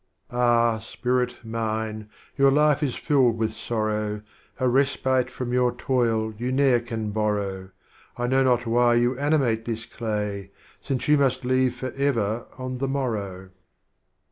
Ah, Spirit Mine, your Life is filled with Sorrow, A Respite from j ^our Toil you ne'er can borrow, I know not why you animate this Clay, Since You must leave forever on the Morrow.